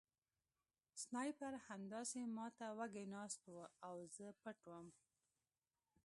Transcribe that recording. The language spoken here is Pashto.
سنایپر همداسې ما ته وږی ناست و او زه پټ وم